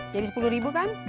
jadi sepuluh ribu kan